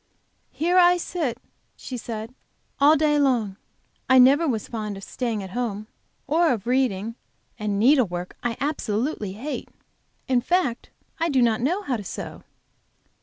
"Here I sit," she said, "all day long. I never was fond of staying at home, or of reading, and needlework I absolutely hate. In fact, I do not know how to sew."